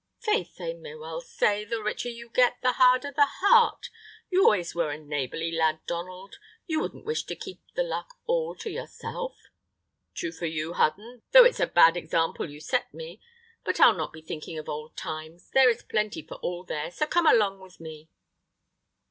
"Faith, they may well say, the richer you get, the harder the heart. You always were a neighborly lad, Donald. You wouldn't wish to keep the luck all to yourself?" "True for you, Hudden, though it's a bad example you set me. But I'll not be thinking of old times. There is plenty for all there, so come along with me."